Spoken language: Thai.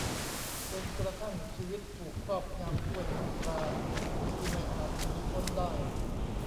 จนกระทั่งชีวิตถูกครอบงำด้วยมนตราที่ไม่อาจหนีพ้นได้